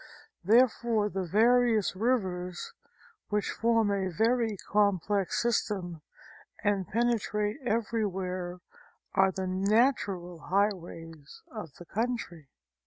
Therefore the various rivers, which form a very complex system and penetrate everywhere are the natural highways of the country.